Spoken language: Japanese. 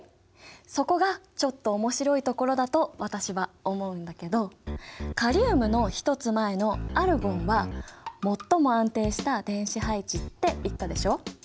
そこがちょっと面白いところだと私は思うんだけどカリウムの１つ前のアルゴンは最も安定した電子配置って言ったでしょ？